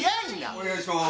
お願いします。